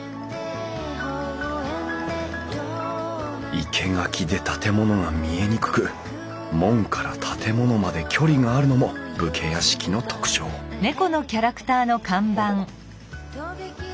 生け垣で建物が見えにくく門から建物まで距離があるのも武家屋敷の特徴おっ！